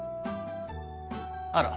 あら。